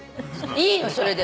いいよそれで。